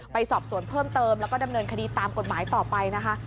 ไปสอบสวนเพิ่มเติมแล้วก็ดำเนินคดีตามกฎหมายต่อไปนะคะ